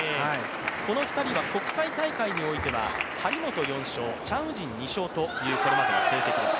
この２人は国際大会においては、張本４勝、チャン・ウジン２勝というこれまでの成績です。